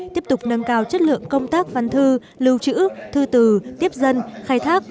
tiếp tục nâng cao chất lượng công tác văn thư lưu trữ thư từ tiếp dân khai thác